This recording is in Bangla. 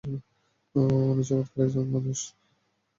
উনি চমৎকার একজন মানুষ!